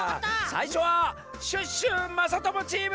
さいしょはシュッシュまさともチーム！